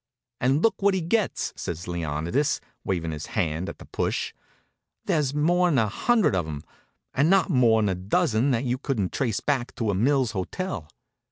"And look what he gets," says Leonidas, wavin' his hand at the push. "There's more'n a hundred of 'em, and not more'n a dozen that you couldn't trace back to a Mills hotel.